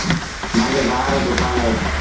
مآݩجي ڀآ رو دُڪآن اهي